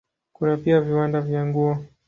Kuna pia viwanda vya nguo.